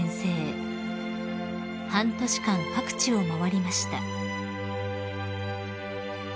［半年間各地を回りました］